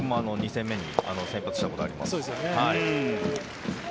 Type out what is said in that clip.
２戦目に先発したことあります。